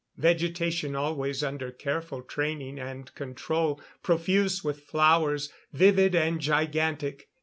Vegetation always under careful training and control. Profuse with flowers, vivid and gigantic.